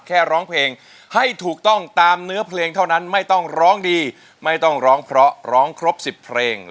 แค่ร้องเพลงให้ถูกต้องตามเนื้อเพลงเท่านั้นไม่ต้องร้องดีไม่ต้องร้องเพราะร้องครบ๑๐เพลง